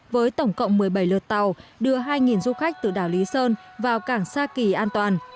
với tổng cộng một mươi bảy lượt tàu đưa hai du khách từ đảo lý sơn vào cảng sa kỳ an toàn